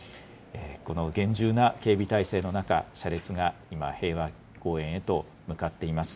この厳重な警備態勢の中、車列が今、平和公園へと向かっています。